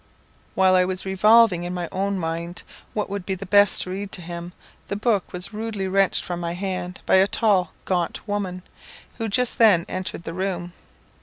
While I was revolving in my own mind what would be the best to read to him, the book was rudely wrenched from my hand by a tall, gaunt woman, who just then entered the room.